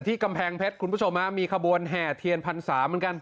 กำแพงเพชรคุณผู้ชมฮะมีขบวนแห่เทียนพรรษาเหมือนกัน